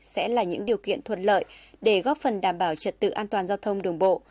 sẽ là những điều kiện thuận lợi để góp phần đảm bảo trật tự an toàn giao thông đường bộ